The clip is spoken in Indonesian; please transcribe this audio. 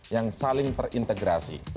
yang saling terintegrasi